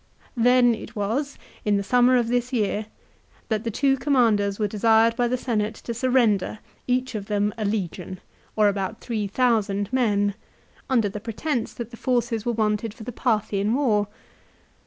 Then it was, in the summer of this year, that the two commanders were desired by the Senate to surrender, each of them a legion, or about 3,000 men, under the pretence that the forces were wanted for the Parthian war.